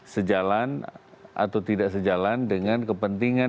sejalan atau tidak sejalan dengan kepentingan